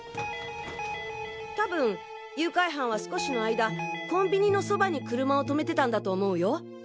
多分誘拐犯は少しの間コンビニのそばに車を停めてたんだと思うよ。